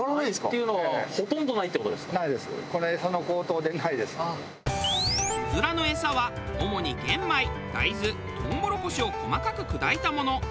うずらの餌は主に玄米大豆トウモロコシを細かく砕いたもの。